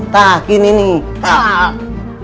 nah gini nih